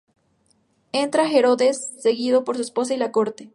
Entra Herodes, seguido por su esposa y la corte.